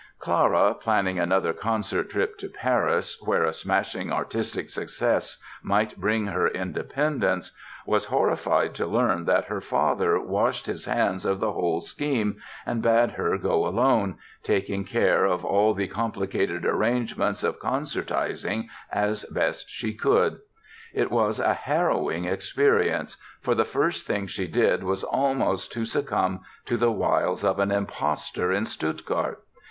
Clara, planning another concert trip to Paris where a smashing artistic success might bring her independence, was horrified to learn that her father washed his hands of the whole scheme and bade her go alone, taking care of all the complicated arrangements of concertizing as best she could. It was a harrowing experience, for the first thing she did was almost to succumb to the wiles of an impostor in Stuttgart.